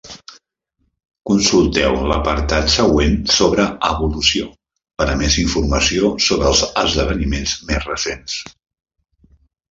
Consulteu l'apartat següent sobre "Evolució" per a més informació sobre els esdeveniments més recents.